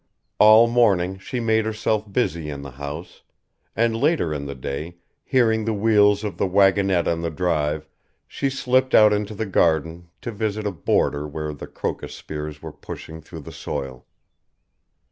All morning she made herself busy in the house, and later in the day, hearing the wheels of the wagonette on the drive, she slipped out into the garden to visit a border where the crocus spears were pushing through the soil.